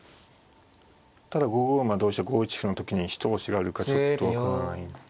ただ５五馬同飛車５一歩の時に一押しがあるかちょっと分からない。